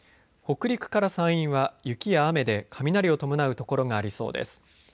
北陸から山陰は雪や雨で雷を伴う所がありそうです。